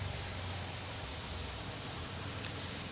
ini adalah salah satu lokasi di mana pabrik tekstil tersebut dikeluarkan